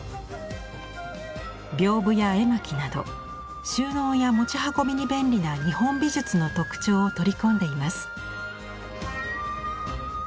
屏風や絵巻など収納や持ち運びに便利な日本美術の特徴を取り込んでいます。